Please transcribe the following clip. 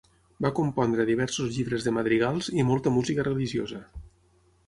Va compondre diversos llibres de madrigals, i molta música religiosa.